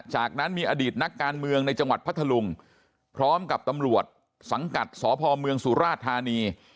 จากนั้นมีอดีตนักการเมืองในจังหวัดพัทธลุงพร้อมกับตำรวจสังกัดสพเมืองสุราชธานี